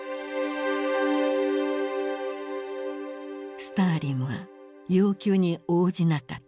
スターリンは要求に応じなかった。